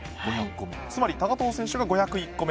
つまり高藤選手が５０１個目。